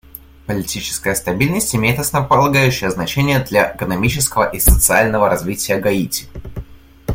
Политическая стабильность имеет основополагающее значение для экономического и социального развития Гаити.